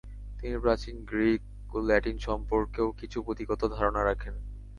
তিনি প্রাচীন গ্রিক ও ল্যাটিন সম্পর্কেও কিছু পুথিগত ধারণা রাখেন।